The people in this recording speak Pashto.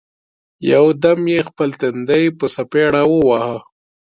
یو دم یې خپل تندی په څپېړه وواهه!